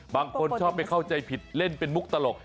บางคนชอบไม่เข้าใจผิดเล่นเป็นมุกตลก